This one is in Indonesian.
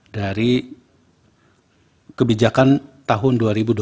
dari kebijakan tahun dua ribu dua puluh